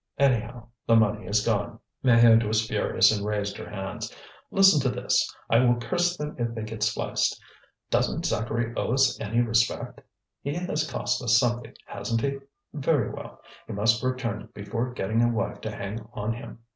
Anyhow, the money is gone." Maheude was furious and raised her hands. "Listen to this: I will curse them if they get spliced. Doesn't Zacharie owe us any respect? He has cost us something, hasn't he? Very well. He must return it before getting a wife to hang on him.